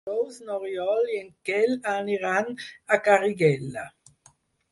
Dijous n'Oriol i en Quel aniran a Garriguella.